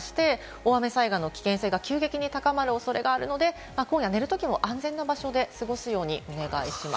大雨災害の危険度が急激に高まる恐れがあるので、今夜、寝るときも安全な場所で過ごすようにお願いします。